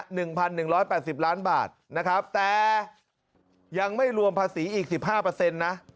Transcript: หนึ่งพันหนึ่งร้อยแปดสิบล้านบาทนะครับแต่ยังไม่รวมภาษีอีกสิบห้าเปอร์เซ็นต์นะ